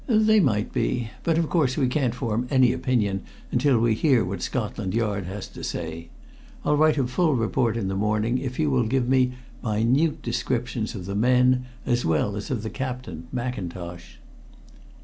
"They might be. But, of course, we can't form any opinion until we hear what Scotland Yard has to say. I'll write a full report in the morning if you will give me minute descriptions of the men, as well as of the captain, Mackintosh."